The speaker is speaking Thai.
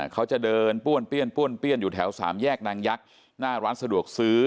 เขาจะเดินป้วนเปี้ยนป้วนเปี้ยนอยู่แถวสามแยกนางยักษ์หน้าร้านสะดวกซื้อ